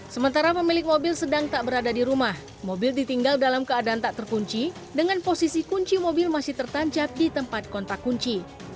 sementara pemilik mobil sedang tak berada di rumah mobil ditinggal dalam keadaan tak terkunci dengan posisi kunci mobil masih tertancap di tempat kontak kunci